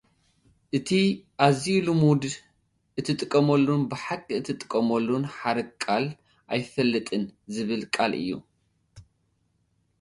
እቲ ኣዝዩ ልሙድ እትጥቀመሉን ብሓቂ እትጥቀመሉን ሓረግ-ቃል "ኣይፈልጥን" ዝብል ቃል እዩ።